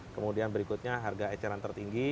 kemudian berikutnya harga eceran tertinggi